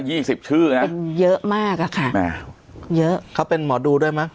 ยี่สิบชื่อนะเป็นเยอะมากอ่ะค่ะเยอะเขาเป็นหมอดูด้วยมั้ย